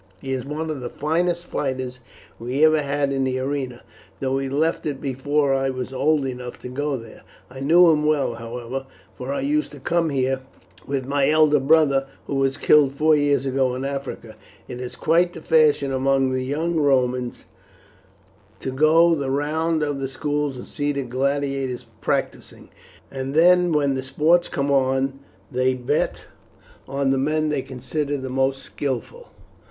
He is one of the finest fighters we ever had in the arena, though he left it before I was old enough to go there. I know him well, however, for I used to come here with my elder brother, who was killed four years ago in Africa. It is quite the fashion among the young Romans to go the round of the schools and see the gladiators practising, and then when the sports come on they bet on the men they consider the most skilful."